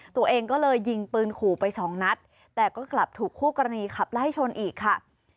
ตัวเองก็เลยยิงปืนขู่ไปสองนัดแต่ก็กลับถูกคู่กรณีขับไล่ชนอีกค่ะ